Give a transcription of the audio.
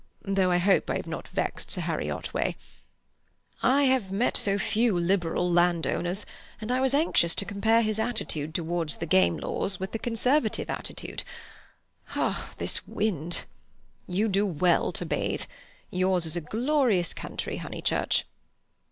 Though I hope I have not vexed Sir Harry Otway. I have met so few Liberal landowners, and I was anxious to compare his attitude towards the game laws with the Conservative attitude. Ah, this wind! You do well to bathe. Yours is a glorious country, Honeychurch!"